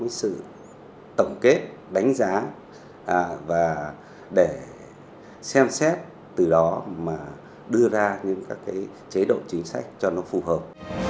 cái sự tổng kết đánh giá và để xem xét từ đó mà đưa ra những các cái chế độ chính sách cho nó phù hợp